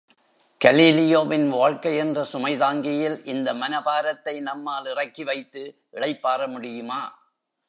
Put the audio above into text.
கலீலியோவின் வாழ்க்கை என்ற சுமைதாங்கியில் இந்த மன பாரத்தை நம்மால் இறக்கிவைத்து இளைப்பாற முடியுமா?